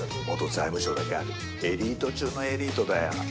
財務省だけあるエリート中のエリートだよ。